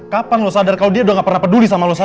kapan lo sadar kalau dia udah gak pernah peduli sama lo saya